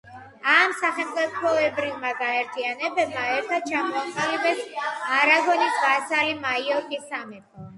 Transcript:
ამ სახელმწიფოებრივმა გაერთიანებებმა ერთად ჩამოაყალიბეს არაგონის ვასალი მაიორკის სამეფო.